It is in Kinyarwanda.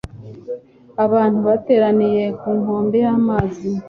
Abantu bateraniye ku nkombe y'amazi.